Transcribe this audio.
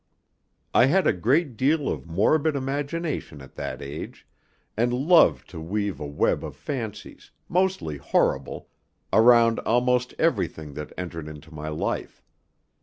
I had a great deal of morbid imagination at that age, and loved to weave a web of fancies, mostly horrible, around almost everything that entered into my life.